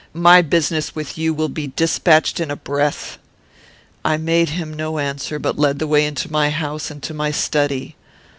My business with you will be despatched in a breath.' "I made him no answer, but led the way into my house, and to my study.